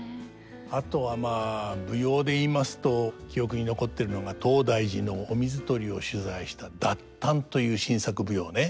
あとはまあ舞踊で言いますと記憶に残ってるのが東大寺のお水取りを取材した「達陀」という新作舞踊ね。